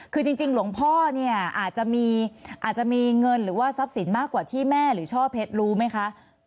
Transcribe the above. คือจริงหลวงพ่อเนี่ยอาจจะมีเงินหรือว่าทรัพย์สินมากกว่าที่แม่หรือช่อเพชรรู้ไหมคะ